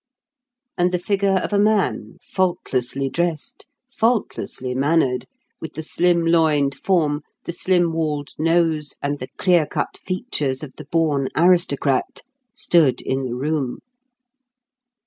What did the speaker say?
and the figure of a man, faultlessly dressed, faultlessly mannered, with the slim loined form, the slim walled nose, and the clear cut features of the born aristocrat, stood in the room.